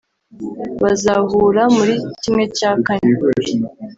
bazahura muri ¼